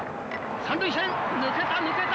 三塁線抜けた抜けた！